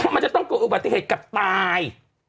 เขาจะต้องเกินบัตรละเหตุก็ตาย